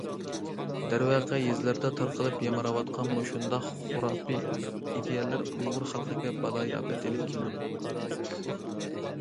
دەرۋەقە يېزىلاردا تارقىلىپ يامراۋاتقان مۇشۇنداق خۇراپىي ئىدىيەلەر ئۇيغۇر خەلقىگە بالايىئاپەت ئېلىپ كېلىدۇ.